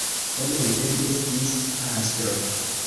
Komence li estis pastro.